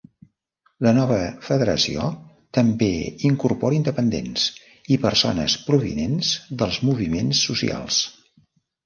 La nova federació també incorpora independents i persones provinents dels moviments socials.